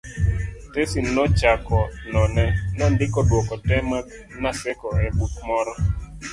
Tesi nochako none, nondiko dwoko te mag Naseko e buk moro